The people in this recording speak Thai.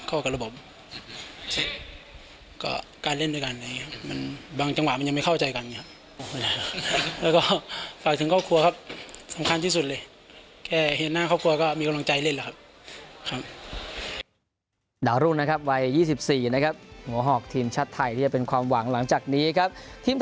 เข้ากับระบบการเล่นด้วยกันบางจังหวะมันยังไม่เข้าใจกัน